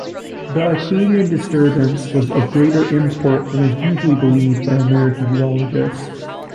The Acadian disturbance was of greater import than is usually believed by American geologists.